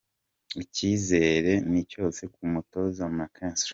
Icyizere ni cyose ku mutoza McKinstry.